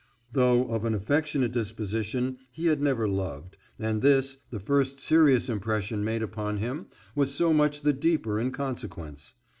Though of an affectionate disposition, he had never loved, and this, the first serious impression made upon him, was so much the deeper in consequence.